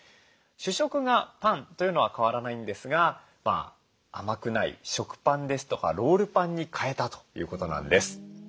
主食がパンというのは変わらないんですが甘くない食パンですとかロールパンに替えたということなんです。